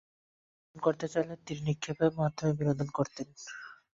কখনো বিনোদন করতে চাইলে তীর নিক্ষেপের মাধ্যমে বিনোদন করতেন।